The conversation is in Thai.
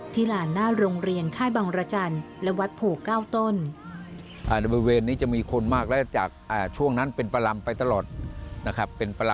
ที่หลานหน้าโรงเรียนค่าบางรจันทร์และวัดโผก้าวตน